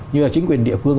như là chính quyền địa phương